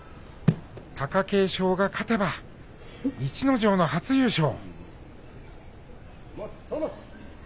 貴景勝が勝てば、逸ノ城の初優勝。